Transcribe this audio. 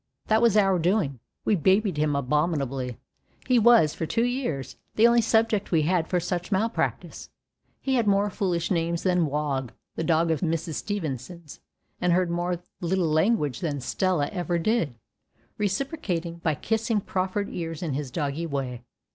That was our doing. We babied him abominably—he was, for two years, the only subject we had for such malpractice. He had more foolish names than Wogg, that dog of Mrs. Stevenson's, and heard more Little Language than Stella ever did, reciprocating by kissing proffered ears in his doggy way.